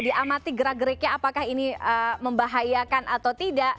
diamati gerak geriknya apakah ini membahayakan atau tidak